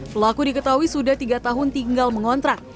pelaku diketahui sudah tiga tahun tinggal mengontrak